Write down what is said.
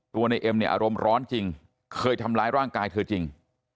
ในเอ็มเนี่ยอารมณ์ร้อนจริงเคยทำร้ายร่างกายเธอจริง